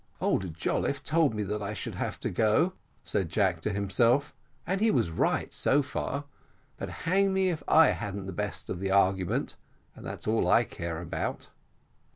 "Old Jolliffe told me that I should have to go," said Jack to himself, "and he was right, so far; but hang me if I hadn't the best of the argument, and that's all I care about."